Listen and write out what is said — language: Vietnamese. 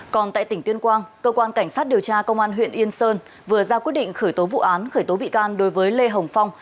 còn tại tỉnh tuyên quang cơ quan cảnh sát điều tra công an huyện yên sơn vừa ra quyết định khởi tố vụ án khởi tố bị can đối với lê hồng phong